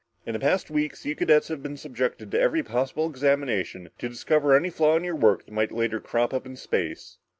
In the past weeks, you cadets have been subjected to every possible examination, to discover any flaw in your work that might later crop up in space.